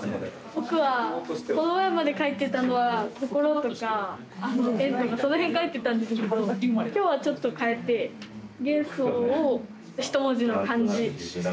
僕はこの前まで書いてたのは心とか縁とかその辺書いてたんですけど今日はちょっと変えて元素をひと文字の漢字で表すやつを書きました。